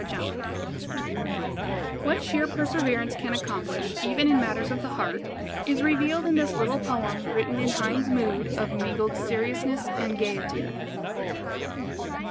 HEINELET What sheer perseverance can accomplish, even in matters of the heart, is revealed in this little poem written in Heine's mood of mingled seriousness and gayety.